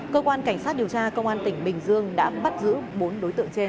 cơ quan cảnh sát điều tra công an tỉnh bình dương đã bắt giữ bốn đối tượng trên